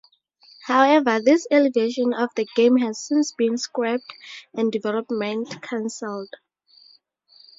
However, this early version of the game has since been scrapped and development cancelled.